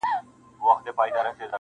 خدای مهربان دی دا روژه په ما تولو ارزي,